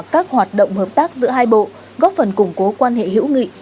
các hoạt động hợp tác giữa hai bộ góp phần củng cố quan hệ hữu nghị